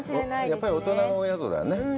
やっぱり大人のお宿だね。